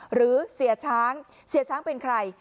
หรือเสียช้างเสียช้างเป็นใคร